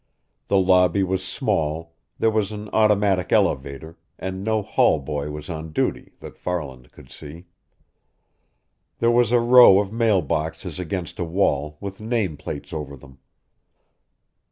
The lobby was small, there was an automatic elevator, and no hall boy was on duty, that Farland could see. There was a row of mail boxes against a wall, with name plates over them.